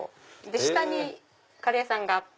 下にカレー屋さんがあって。